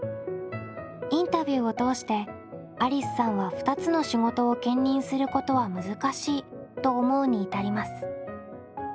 インタビューを通してありすさんは２つの仕事を兼任することは難しいと思うに至ります。